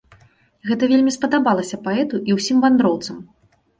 Гэта вельмі спадабалася паэту і ўсім вандроўцам.